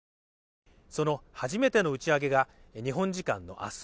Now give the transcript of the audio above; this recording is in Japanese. その初めての打ち上げが日本時間のあす